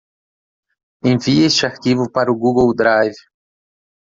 Envie este arquivo para o Google Drive.